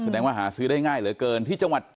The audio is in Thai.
แสดงว่าหาซื้อได้ง่ายเหลือเกินที่จังหวัด